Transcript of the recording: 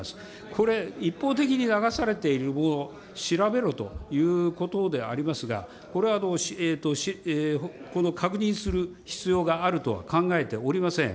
これ、一方的に流されているものを調べろということでありますが、これは、この確認する必要があると考えておりません。